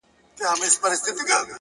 نو گراني تاته په ښكاره نن داخبره كوم-